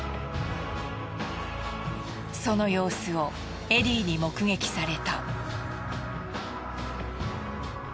その様子をエディに目撃された。